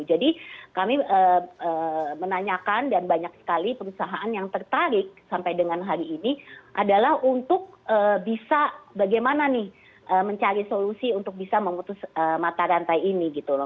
jadi kami menanyakan dan banyak sekali perusahaan yang tertarik sampai dengan hari ini adalah untuk bisa bagaimana nih mencari solusi untuk bisa memutus mata rantai ini